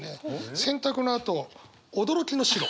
洗濯のあと「驚きの白！！」。